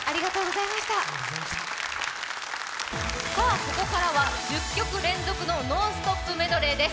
ここからは１０曲連続のノンストップメドレーです。